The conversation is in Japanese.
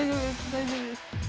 大丈夫です。